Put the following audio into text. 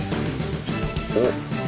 おっ。